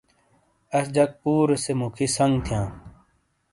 آش جک پورےسے موکھی سنگ تھیاں۔